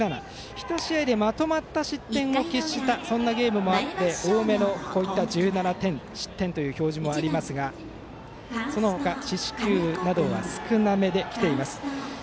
１試合でまとまった失点を喫したそんなゲームもあって多めの１７失点という表示もありますがその他、四死球などは少なめで来ています。